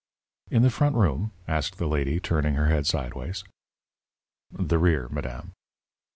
"In the front room?" asked the lady, turning her head sidewise. "The rear, madame."